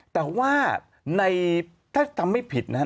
แต่ว่าในถ้าทำไม่ผิดนะฮะ